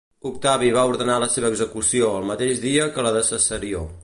Octavi va ordenar la seva execució el mateix dia que la de Cesarió.